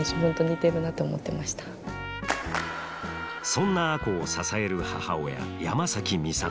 そんな亜子を支える母親山崎美里。